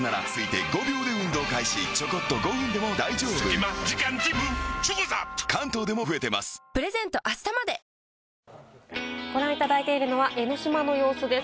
いいじゃないだってご覧いただいているのは江の島の様子です。